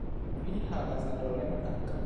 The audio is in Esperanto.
Vi havas la problemon ankaŭ